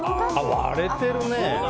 割れてるね。